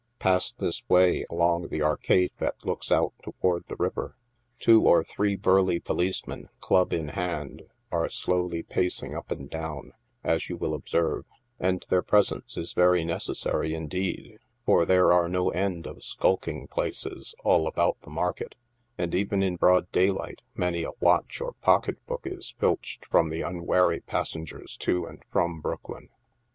Pass this way, along the arcade that looks out toward the river. Two or three burly policemen, club in hand, are slowly pacing up and down, as you will observe, and their presence is very necessary, indeed, for there are no end of skulking places all around the market, and, even in broad day light, many a watch or pocketbook is filched from the unwary passengers to and from Brooklyn.